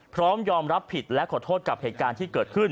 พร้อมยอมรับผิดและขอโทษกับเหตุการณ์ที่เกิดขึ้น